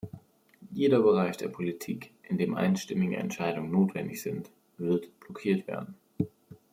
Jeder Bereich der Politik, in dem einstimmige Entscheidungen notwendig sind, wird blockiert werden.